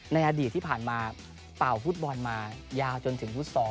ในอดีตที่ผ่านมาเป่าฟุตบอลมายาวจนถึงฟุตซอล